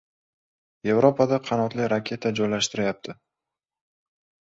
Yevropada qanotli raketa joylashtirayapti.